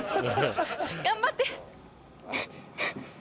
頑張って！